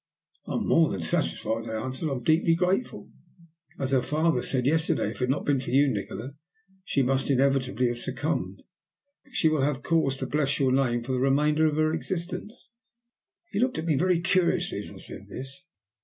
"I am more than satisfied," I answered. "I am deeply grateful. As her father said yesterday, if it had not been for you, Nikola, she must inevitably have succumbed. She will have cause to bless your name for the remainder of her existence." He looked at me very curiously as I said this.